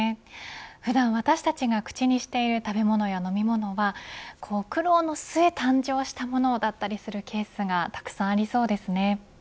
普段、私たちが口にしている食べ物や飲み物は苦労の末誕生したものだったりするケースがたくさんありそうですね。